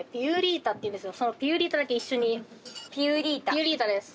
ピユリータです。